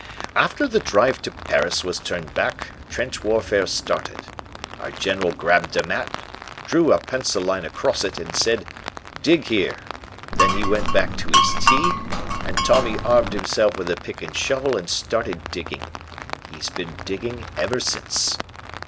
"After the drive to Paris was turned back, trench warfare started. Our General grabbed a map, drew a pencil line across it, and said, 'Dig here,' then he went back to his tea, and Tommy armed himself with a pick and shovel, and started digging. He's been digging ever since.